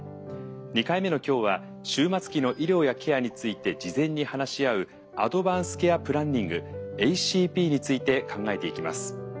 ２回目の今日は終末期の医療やケアについて事前に話し合うアドバンス・ケア・プランニングＡＣＰについて考えていきます。